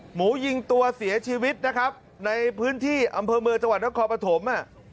หมูยิงตัวเสียชีวิตในพื้นที่อำเภอเมอร์จนครปฐม